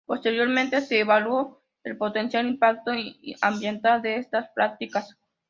Posteriormente, se evaluó el potencial impacto ambiental de estas prácticas.